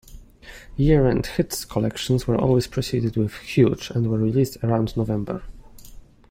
Year-end "Hits" collections were always preceded with "Huge" and were released around November.